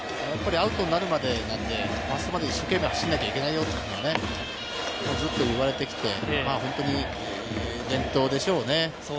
アウトになるまでなんで、そこまで一生懸命走らなきゃいけないよってずっと言われてきて、本当に伝統でしょうね。